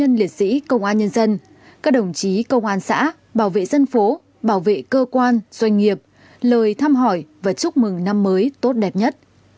các nhân liệt sĩ công an nhân dân các đồng chí công an xã bảo vệ dân phố bảo vệ cơ quan doanh nghiệp lời thăm hỏi và chúc mừng năm mới tốt đẹp nhất